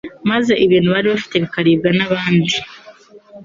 maze ibintu bari bafite bikaribwa n’abandi?